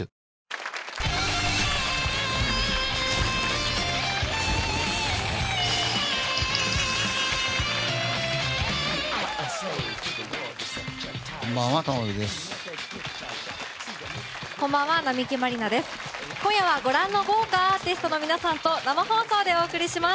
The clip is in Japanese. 今夜はご覧の豪華アーティストの皆さんと生放送でお送りします。